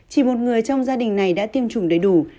chỉ một người trong gia đình này đã tiêm chủng đầy đủ